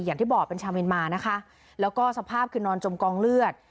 อย่างที่บอกเป็นชาวเมียนมานะคะแล้วก็สภาพคือนอนจมกองเลือด